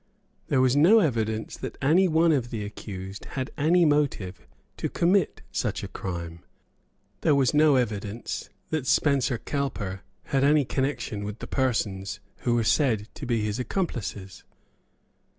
There was no evidence that any one of the accused had any motive to commit such a crime; there was no evidence that Spencer Cowper had any connection with the persons who were said to be his accomplices.